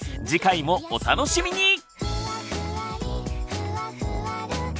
次回もお楽しみに！